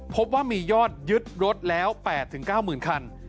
พบว่ามียอดยึดรถแล้ว๘๙๐๐คัน